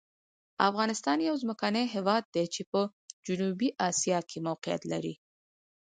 افغانستان یو ځمکني هېواد دی چې په جنوبي آسیا کې موقعیت لري.